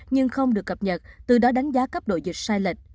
nhưng không được cập nhật từ đó đánh giá cấp độ dịch sai lệch